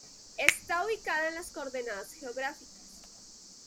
Está ubicada en las coordenadas geográficas